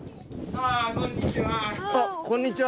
あっこんにちは。